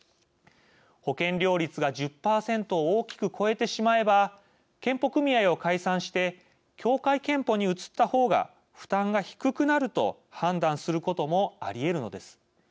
保険料率が１０％を大きく超えてしまえば健保組合を解散して協会けんぽに移った方が負担が低くなると判断することもありえるのです。